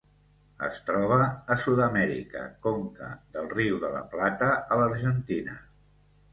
Es troba a Sud-amèrica: conca del riu de La Plata a l'Argentina.